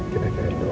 kita kira kira dulu